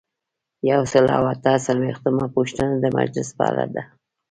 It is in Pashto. یو سل او اته څلویښتمه پوښتنه د مجلس په اړه ده.